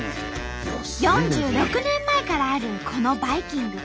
４６年前からあるこのバイキング。